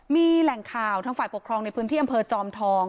มีแหล่งข่าวทางฝ่ายปกครองในพื้นที่อำเภอจอมทอง